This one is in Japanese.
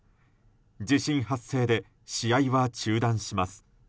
地震発生で試合は中断します。